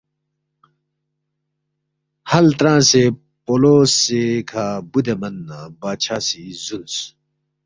ہل ترانگسے پولو سے کھہ بُودے من نہ بادشاہ سی زُونس